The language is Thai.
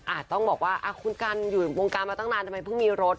ต้องบอกว่าคุณกันอยู่วงการมาตั้งนานทำไมเพิ่งมีรถ